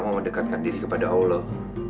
mau mendekatkan diri kepada allah